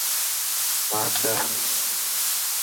ماٺ ڪر.